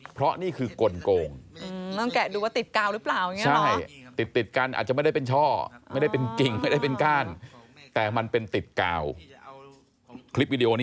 เพราะนี่คือกลกงต้องแกะดูว่าติดกาวหรือเปล่าใช่ติดกาวอาจจะไม่ได้เป็นช่อ